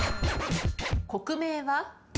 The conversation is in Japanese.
国名は？